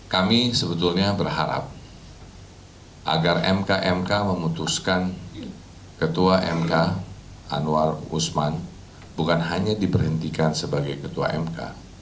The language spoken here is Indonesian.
kami sebetulnya berharap agar mk mk memutuskan ketua mk anwar usman bukan hanya diberhentikan sebagai ketua mk